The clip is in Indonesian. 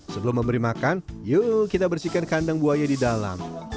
sebelum memberi makan yuk kita bersihkan kandang buaya di dalam